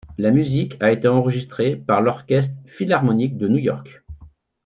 La musique a été enregistrée par l’Orchestre philharmonique de New York.